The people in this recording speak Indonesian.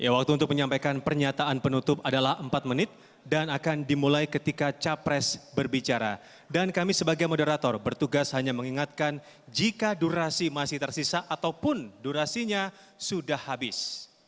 walaupun durasinya sudah habis